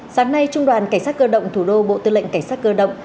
sáng nay trung đoàn cảnh sát cơ động thủ đô bộ tư lệnh cảnh sát cơ động